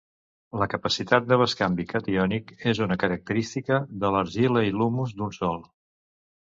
La capacitat de bescanvi catiònic és una característica de l'argila i l'humus d'un sòl.